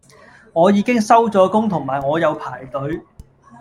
我已經收咗工同埋我有排隊